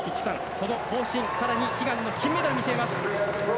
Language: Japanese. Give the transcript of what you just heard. その更新、さらに悲願の金メダルを見据えます。